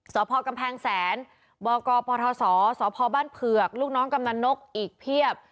สพกำแพงแสนบกปทศสพบ้านเผือกลูกน้องกำนันนกอีกเพียบ